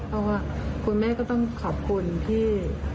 เพราะว่าคุณแม่ก็ต้องขอบคุณที่